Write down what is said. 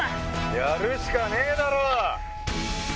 やるしかねえだろ！